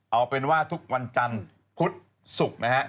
เอาเป็นว่าทุกวันจันทร์พุธศุกร์นะฮะ